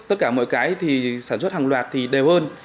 tất cả mọi cái thì sản xuất hàng loạt thì đều hơn